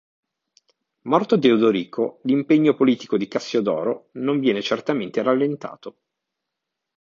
Morto Teodorico l'impegno politico di Cassiodoro non viene certamente rallentato.